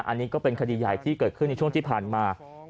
อันนี้ก็เป็นคดีใหญ่ที่เกิดขึ้นในช่วงที่ผ่านมา